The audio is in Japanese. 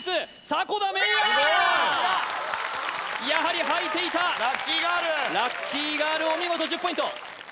さすがやはりはいていたラッキーガールお見事１０ポイント